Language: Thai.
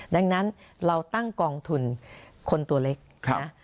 ดังนั้นเราตั้งกองทุนคนตัวเล็กนะ